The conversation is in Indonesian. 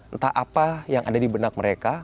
entah apa yang ada di benak mereka